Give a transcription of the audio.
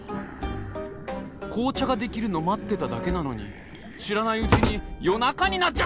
紅茶ができるの待ってただけなのに知らないうちに夜中になっちゃった！